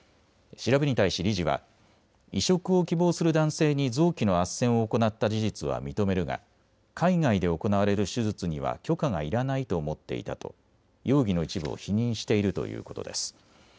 調べに対し理事は移植を希望する男性に臓器のあっせんを行った事実は認めるが海外で行われる手術には許可がいらないと思っていたと容疑の一部を否認しているということです。